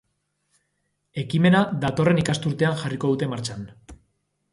Ekimena datorren ikasturtean jarriko dute martxan.